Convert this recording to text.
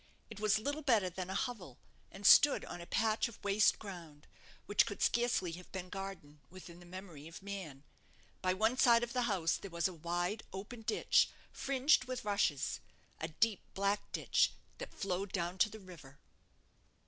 It was little better than a hovel, and stood on a patch of waste ground, which could scarcely have been garden within the memory of man. By one side of the house there was a wide, open ditch, fringed with rushes a deep, black ditch, that flowed down to the river.